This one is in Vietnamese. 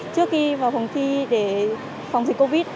trước khi vào phòng thi để phòng dịch covid